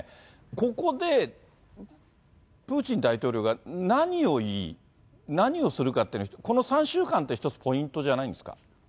ここで、プーチン大統領が何を言い、何をするかっていうのは、この３週間って、一つポイントじゃないんですか。